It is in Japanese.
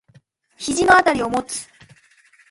肘のあたりを持つ。